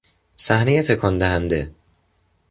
صحنهی تکان دهنده